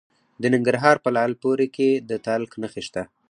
د ننګرهار په لعل پورې کې د تالک نښې شته.